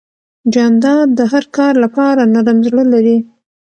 جانداد د هر کار لپاره نرم زړه لري.